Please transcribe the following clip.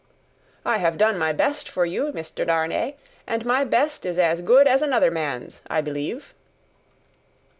"I have done my best for you, Mr. Darnay; and my best is as good as another man's, I believe."